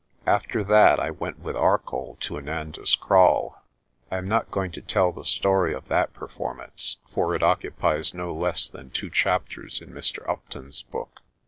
After that I went with Arcoll to Inanda's Kraal. I am not going to tell the story of that performance, for it oc cupies no less than two chapters in Mr. Upton's book.